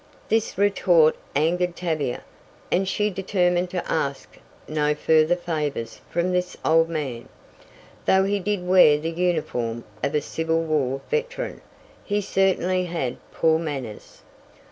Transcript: This retort angered Tavia, and she determined to ask no further favors from this old man. Though he did wear the uniform of a Civil War veteran, he certainly had poor manners.